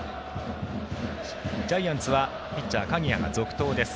ジャイアンツはピッチャー鍵谷が続投です。